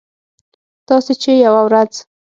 تاسې چې یوه ورځ